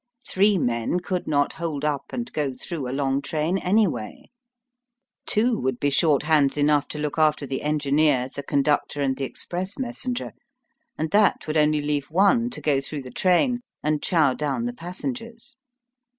Three men could not hold up and go through a long train, anyway. Two would be short hands enough to look after the engineer, the conductor, and express messenger, and that would only leave one to go through the train and chow down the passengers.